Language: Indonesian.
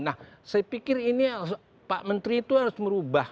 nah saya pikir ini pak menteri itu harus merubah